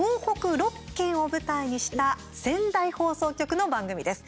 ６県を舞台にした仙台放送局の番組です。